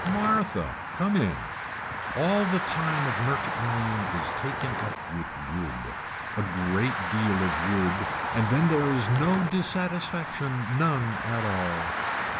Martha. Come in. All the time of merchant marine is taken up with wood. A great deal of wood and then there is no dissatisfaction none at all.